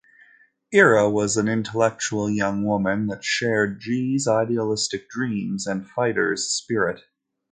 Ira was an intellectual young woman that shared Gie's idealistic dreams and fighter's spirit.